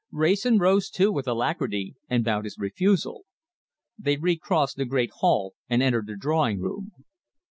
Wrayson rose too with alacrity, and bowed his refusal. They recrossed the great hall and entered the drawing room.